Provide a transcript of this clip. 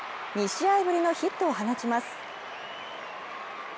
２試合ぶりのヒットを放ちます。